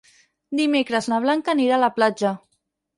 Dimecres na Blanca anirà a la platja.